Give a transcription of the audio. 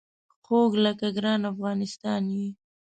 خوږ لکه ګران افغانستان یې